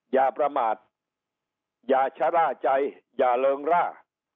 อย่าประมาทอย่าชะล่าใจอย่าเริงร่า